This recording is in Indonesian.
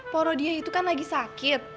poro dia itu kan lagi sakit